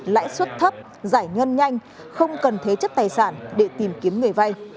lãi suất thấp giải ngân nhanh không cần thế chất tài sản để tìm kiếm người vay